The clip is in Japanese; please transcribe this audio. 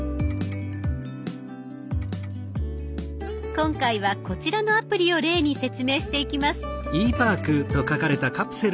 今回はこちらのアプリを例に説明していきます。